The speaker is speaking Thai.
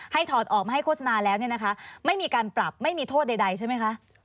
ให้ถอดออกมาให้โฆษณาแล้วไม่มีการปรับไม่มีโทษใดใช่ไหมคะ